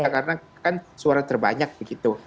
karena kan suara terbanyak begitu